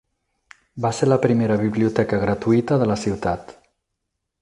Va ser la primera biblioteca gratuïta de la ciutat.